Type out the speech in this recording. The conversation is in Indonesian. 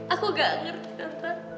aku gak ngerti tante